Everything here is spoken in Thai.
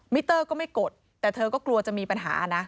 เตอร์ก็ไม่กดแต่เธอก็กลัวจะมีปัญหานะ